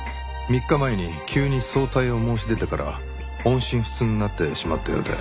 ３日前に急に早退を申し出てから音信不通になってしまったようで。